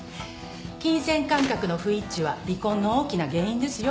金銭感覚の不一致は離婚の大きな原因ですよ。